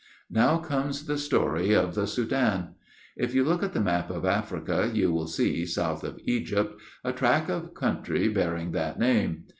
Now comes the story of the Soudan. If you look at a map of Africa, you will see, south of Egypt, a tract of country bearing that name.